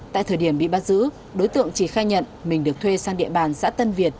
tại thời điểm bị bắt giữ đối tượng chỉ khai nhận mình được thuê sang địa bàn xã tân việt